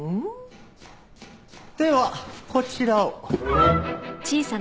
ではこちらを。